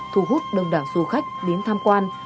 thu hút đông đảng du khách đến tham quan